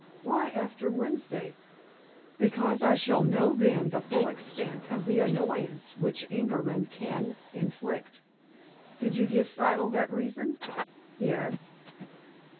"Why 'after Wednesday'?" "Because I shall know then the full extent of the annoyance which Ingerman can inflict." "Did you give Siddle that reason?" "Yes."